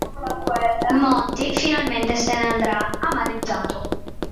Monty finalmente se ne andrà, amareggiato.